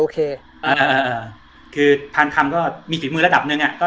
คือพันคำก็มีฝีมือระดับหนึ่ง